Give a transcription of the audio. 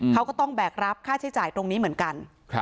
เขาก็ต้องแบกรับค่าใช้จ่ายตรงนี้เหมือนกัน